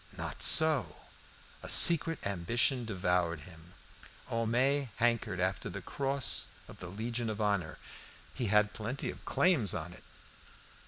Not so! A secret ambition devoured him. Homais hankered after the cross of the Legion of Honour. He had plenty of claims to it.